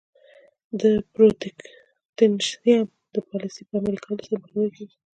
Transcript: د protectionism د پالیسۍ په عملي کولو سره مخنیوی کوي.